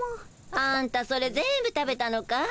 アンタそれ全部食べたのかい？